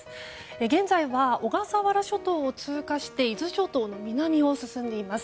現在は小笠原諸島を通過して伊豆諸島の南を進んでいます。